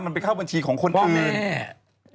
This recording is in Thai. มันไปเข้าบัญชีของคนอื่น